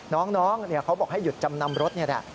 น้องเขาบอกให้หยุดจำนำรถนี่แหละ